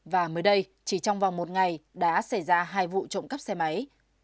và mới đây chỉ trong vòng một ngày đã xảy ra hai vụ trộm cắp xe máy